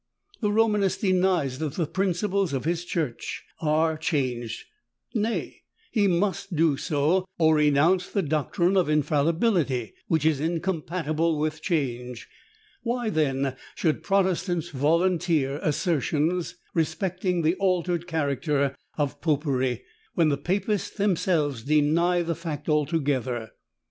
The Romanist denies that the principles of his Church are changed: nay, he must do so, or renounce the doctrine of infallibility, which is incompatible with change: why, then, should Protestants volunteer assertions, respecting the altered character of Popery, when the Papists themselves deny the fact altogether?